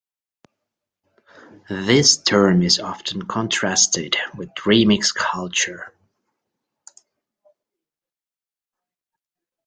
This term is often contrasted with remix culture.